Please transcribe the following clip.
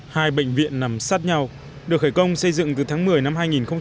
hai bệnh viện nằm sát nhau được khởi công xây dựng từ tháng một mươi năm hai nghìn một mươi